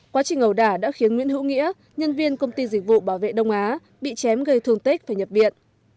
quá trình ẩu đả đã khiến nguyễn hữu nghĩa nhân viên công ty dịch vụ bảo vệ đông á bị chém gây thương tích và nhập viện